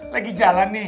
lagi jalan nih